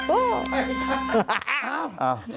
โอ้โห